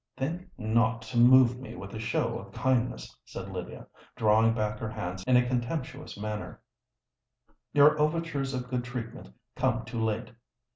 "Think not to move me with a show of kindness," said Lydia, drawing back her hands in a contemptuous manner: "_your overtures of good treatment come too late!